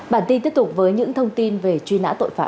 bản tin tiếp tục với những thông tin về truy nã tội phạm